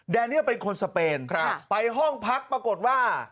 แนเนียลเป็นคนสเปนไปห้องพักปรากฏว่า